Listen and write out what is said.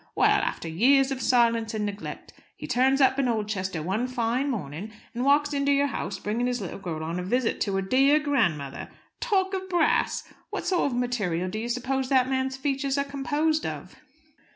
Well, after years of silence and neglect, he turns up in Oldchester one fine morning, and walks into your house bringing his little girl 'on a visit to her dear grandmother.' Talk of brass! What sort of a material do you suppose that man's features are composed of?"